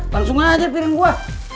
langsung aja piring gua